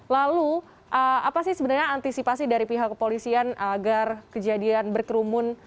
lalu apa sih sebenarnya antisipasi dari pihak kepolisian agar kejadian berkerumun